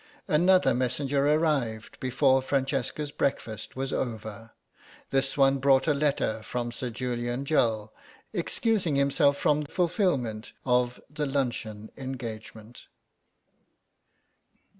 Another messenger arrived before Francesca's breakfast was over. This one brought a letter from Sir Julian Jull, excusing himself from fulfilment of the luncheon engagement.